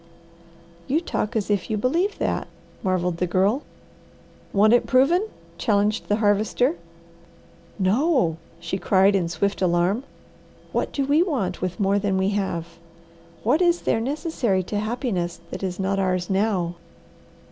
"You talk as if you believe that," marvelled the Girl. "Want it proven?" challenged the Harvester. "No!" she cried in swift alarm. "What do we want with more than we have? What is there necessary to happiness that is not ours now?